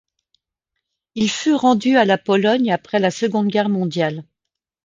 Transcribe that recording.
Il fut rendu à la Pologne après la Seconde Guerre mondiale.